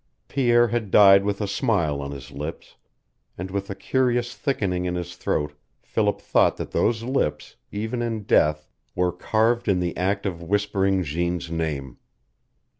Pierre had died with a smile on his lips; and with a curious thickening in his throat Philip thought that those lips, even in death, were craved in the act of whispering Jeanne's name.